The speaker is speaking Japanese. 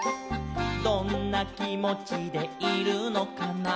「どんなきもちでいるのかな」